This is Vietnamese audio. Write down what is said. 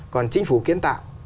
còn chính phủ kiến tạo